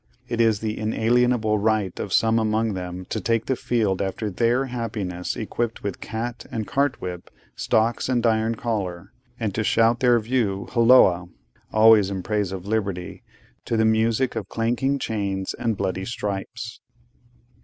It is the Inalienable Right of some among them, to take the field after their Happiness equipped with cat and cartwhip, stocks, and iron collar, and to shout their view halloa! (always in praise of Liberty) to the music of clanking chains and bloody stripes.